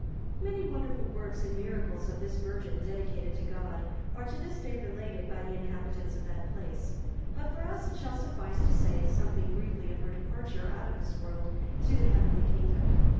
Many wonderful works and miracles of this virgin, dedicated to God, are to this day related by the inhabitants of that place; but for us it shall suffice to say something briefly of her departure out of this world to the heavenly kingdom.